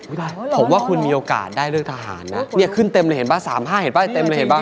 ผมว่าคุณมีโอกาสได้เลือกทหารนะเนี่ยขึ้นเต็มเลยเห็นป่ะ๓๕เห็นป่ะเต็มเลยเห็นป่